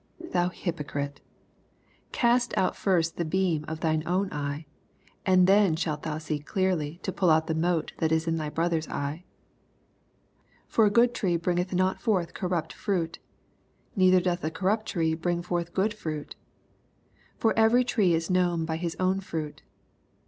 Thou hypocrite, cast oat first the beam oat of thine own eye, and then shalt thou see clearly to pull LUKE VI. 89—45. out the m«te that is in thy brother^B eye. 43 For a good tree bringeth not forth corrnpt frait ;. neither doth a corrupt tree bring forth good fruit. 44 For every tree is known by his own fruit.